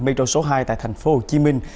micro số hai tại thành phố hồ chí minh